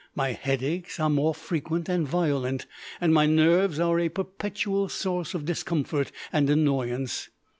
My headaches are more frequent and violent, and my nerves are a perpetual source of discomfort and annoyance.